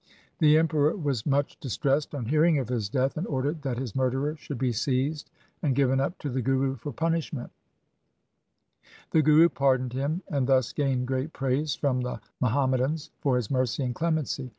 The Emperor was much distressed on hearing of his death, and ordered that his murderer should be seized and given up to the Guru for punishment. The Guru pardoned him, 1 No doubt Banda was meant. 236 THE SIKH RELIGION and thus gained great praise from the Muham madans for his mercy and clemency.